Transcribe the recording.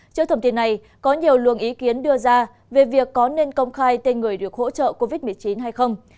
trước thông tin này có nhiều luồng ý kiến đưa ra về việc có nên công khai tên người được hỗ trợ covid một mươi chín hay không